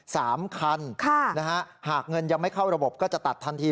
สามคันค่ะนะฮะหากเงินยังไม่เข้าระบบก็จะตัดทันที